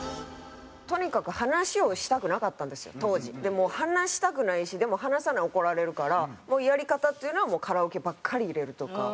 もう話したくないしでも話さな怒られるからやり方っていうのはカラオケばっかり入れるとか。